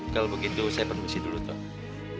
kalau begitu saya produksi dulu toh